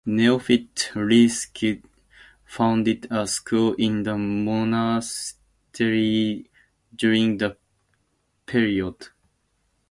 Neofit Rilski founded a school in the monastery during the period.